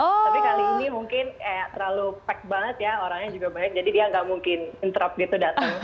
tapi kali ini mungkin terlalu pek banget ya orangnya juga banyak jadi dia gak mungkin interrupt gitu dateng